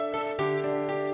sini kita balik lagi